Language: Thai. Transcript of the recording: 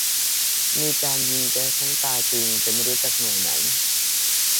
มีการยิงแก๊สน้ำตาจริง แต่ไม่รู้จากหน่วยไหน